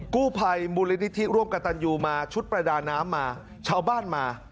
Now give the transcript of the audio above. กู้ภัยมูลนิธิร่วมกับตันยูมาชุดประดาน้ำมาชาวบ้านมา